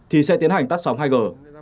thì sẽ tiến hành tắt sóng hai g